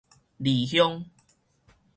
離鄉